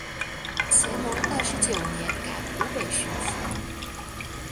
乾隆二十九年改湖北巡抚。